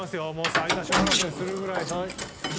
最多勝争いするくらい。